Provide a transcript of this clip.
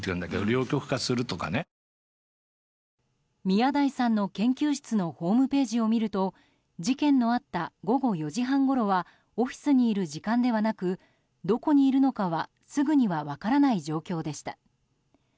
宮台さんの研究室のホームページを見ると事件のあった午後４時半ごろはオフィスにいる時間ではなくどこにいるのかはすぐには分からない状況でした。